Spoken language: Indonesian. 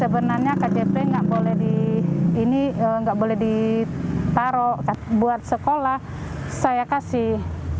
karena kjp nggak boleh ditaruh buat sekolah saya kasih